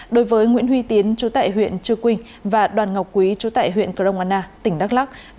đối với nguyễn huy tiến chú tại huyện chư quỳnh và đoàn ngọc quý chú tại huyện cờ đông an na tỉnh đắk lóc